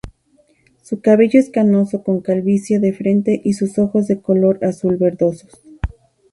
Su cabello es canoso con calvicie de frente y sus ojos de color azul-verdosos.